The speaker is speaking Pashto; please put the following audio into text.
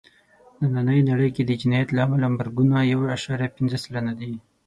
نننۍ نړۍ کې د جنایت له امله مرګونه یو عشاریه پینځه سلنه دي.